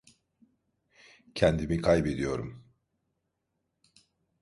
Kendimi kaybediyorum.